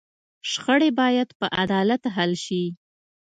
شخړې باید په عدالت حل شي.